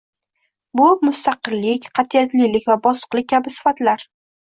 Bu – mustaqillik, qatʼiyatlilik va bosiqlik kabi sifatlar